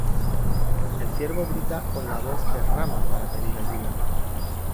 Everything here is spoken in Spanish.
El ciervo grita con la voz de Rama para pedir ayuda.